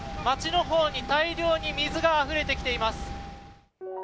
町の方に大量に水があふれてきています。